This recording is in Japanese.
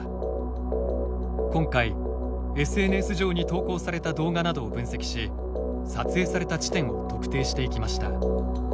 今回、ＳＮＳ上に投稿された動画などを分析し撮影された地点を特定していきました。